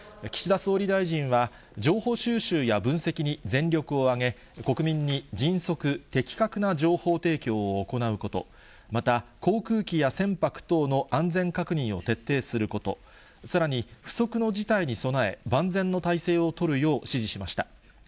岸田総理大臣は、情報収集や分析に全力を挙げ、国民に迅速、的確な情報提供を行うこと、また、航空機や船舶等の安全確認を徹底すること、さらに不測の事態に備え、万全の態勢を取るよう指示しました。